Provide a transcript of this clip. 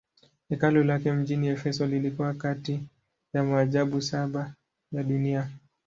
Hekalu lake mjini Efeso lilikuwa kati ya maajabu saba ya dunia.